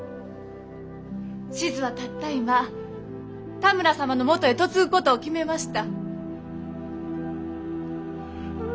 志津はたった今多村様のもとへ嫁ぐことを決めました。